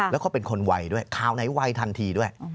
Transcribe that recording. แล้วก็เป็นคนไวด้วยข่าวไหนไวทันทีด้วย